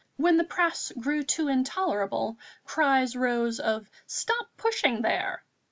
When the press grew too intolerable, cries rose of "Stop pushing there!"